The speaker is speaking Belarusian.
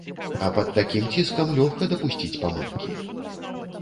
А пад такім ціскам лёгка дапусціць памылкі.